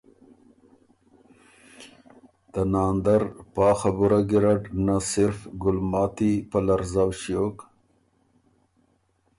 ته ناندر پا خبُره ګیرډ نه صرف ګلماتی په لرزؤ ݭیوک